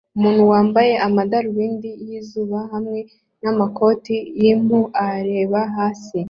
Umuntu wambaye amadarubindi yizuba hamwe namakoti yimpu areba hasi